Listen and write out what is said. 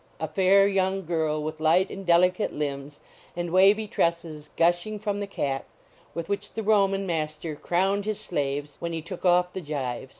A fair young girl, with light ami delicate limbs, And wavy tresses gushing from the cap With which the Roman master crowned his slaves When he took off the gyves.